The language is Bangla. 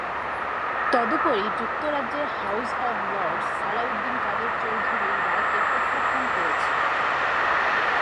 তদুপরি যুক্তরাজ্যের House of Lords Salahuddin Quader চৌধুরীর রায়কে প্রত্যাখ্যান করেছে।